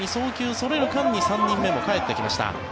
それる間に３人目もかえってきました。